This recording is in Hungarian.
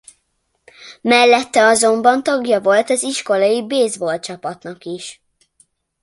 Mellette azonban tagja volt az iskolai baseball csapatnak is.